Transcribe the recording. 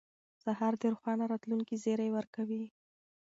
سهار د روښانه راتلونکي زیری ورکوي.